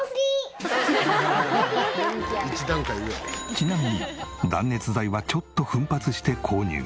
ちなみに断熱材はちょっと奮発して購入。